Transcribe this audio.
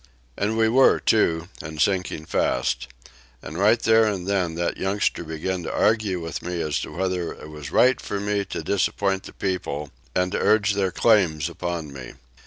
And we were, too, and sinking fast. And right there and then that youngster began to argue with me as to whether it was right for me to disappoint the people, and to urge their claims upon me.